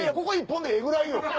ここ１本でええぐらいよ。